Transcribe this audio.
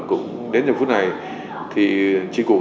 cũng đến giờ phút này thì trên cục